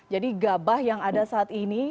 jadi gabah yang ada saat ini